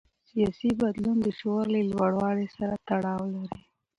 سیاسي بدلون د شعور له لوړوالي سره تړاو لري